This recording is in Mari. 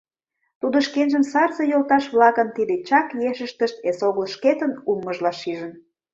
Тудо шкенжым сарзе йолташ-влакын тиде чак ешыштышт эсогыл шкетын улмыжла шижын.